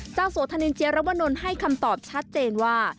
โสธนินเจียรวนลให้คำตอบชัดเจนว่า